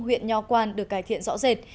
huyện nho quan được cải thiện rõ rệt